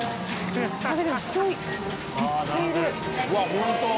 本当！